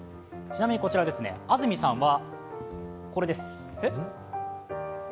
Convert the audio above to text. ちなみにこちら安住さんは、これです。